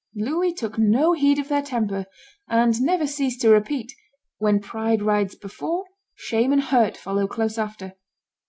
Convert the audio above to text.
Louis took no heed of their temper, and never ceased to repeat, "When pride rides before, shame and hurt follow close after."